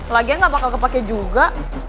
lagian nggak bakal kepake juga